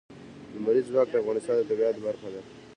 لمریز ځواک د افغانستان د طبیعت برخه ده.